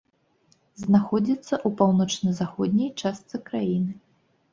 Знаходзіцца ў паўночна-заходняй частцы краіны.